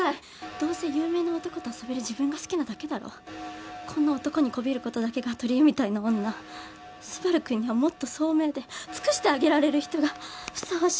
どうせ有名な男と遊べる自分が好きなだけだろこんな男にこびることだけがとりえみたいな女スバルくんにはもっとそうめいで尽くしてあげられる人がふさわしいんだよ